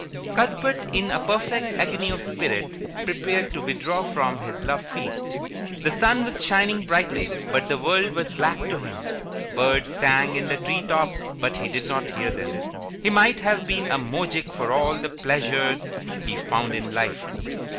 Cuthbert in a perfect agony of spirit prepared to withdraw from this love feast. The sun was shining brightly, but the world was black to him. Birds sang in the tree tops, but he did not hear them. He might have been a moujik for all the pleasure he found in life.